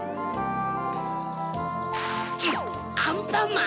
・アンパンマン！